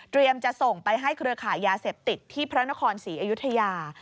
จะส่งไปให้เครือขายยาเสพติดที่พระนครศรีอยุธยา